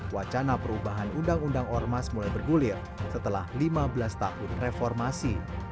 wacana perubahan undang undang ormas mulai bergulir setelah lima belas tahun reformasi